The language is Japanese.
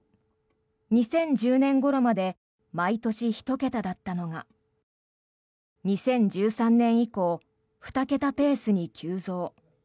２０１０年ごろまで毎年１桁だったのが２０１３年以降２桁ペースに急増。